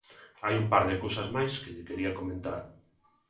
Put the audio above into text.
Hai un par de cousas máis que lle quería comentar.